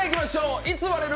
「いつ割れる！？